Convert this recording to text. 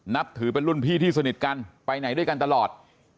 นับถือเป็นรุ่นพี่ที่สนิทกันไปไหนด้วยกันตลอด